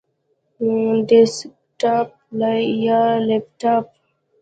ډیسکټاپ یا لپټاپ؟